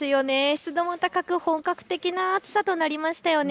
湿度も高く本格的な暑さとなりましたよね。